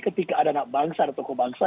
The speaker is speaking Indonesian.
ketika ada anak bangsa dan tokoh bangsa